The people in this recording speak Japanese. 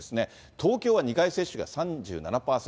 東京は２回接種が３７％。